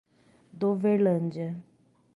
Doverlândia